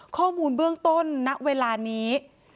ข้อมูลเบื้องต้นณเวลานี้